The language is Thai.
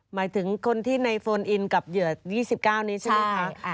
หมายถึงคนที่ในโฟนอินกับเหยื่อ๒๙นี้ใช่ไหมคะ